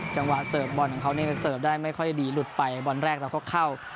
เสิร์ฟบอลของเขานี่ก็เสิร์ฟได้ไม่ค่อยดีหลุดไปบอลแรกเราก็เข้า